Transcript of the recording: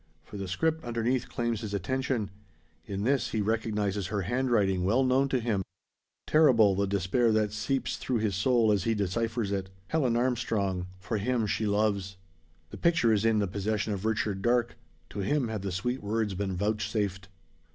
For the script underneath claims his attention. In this he recognises her handwriting, well known to him. Terrible the despair that sweeps through his soul, as he deciphers it: "Helen Armstrong. For him she loves." The picture is in the possession of Richard Darke. To him have the sweet words been vouchsafed!